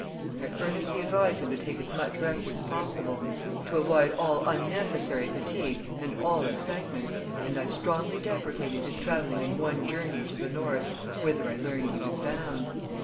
I earnestly advised him to take as much rest as possible, to avoid all unnecessary fatigue and all excitement, and I strongly deprecated his travelling in one journey to the north, whither I learnt he was bound.